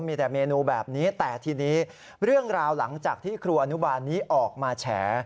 มีแต่เมนูแบบนี้แต่ทีนี้เรื่องราวหลังจากที่ครูอนุบาลนี้ออกมาแฉ